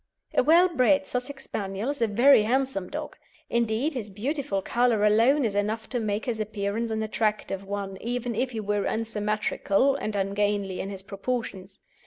A well bred Sussex Spaniel is a very handsome dog. Indeed, his beautiful colour alone is enough to make his appearance an attractive one, even if he were unsymmetrical and ungainly in his proportions.